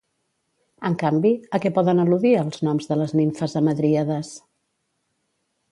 En canvi, a què poden al·ludir els noms de les nimfes hamadríades?